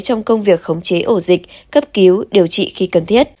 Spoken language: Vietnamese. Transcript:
trong công việc khống chế ổ dịch cấp cứu điều trị khi cần thiết